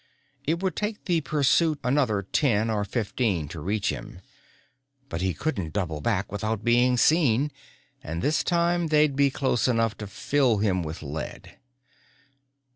It would take the pursuit another ten or fifteen to reach him. But he couldn't double back without being seen and this time they'd be close enough to fill him with lead.